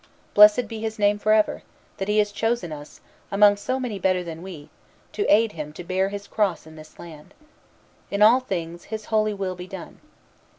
Blessed be His name forever, that He has chosen us, among so many better than we, to aid him to bear His cross in this land! In all things, His holy will be done!"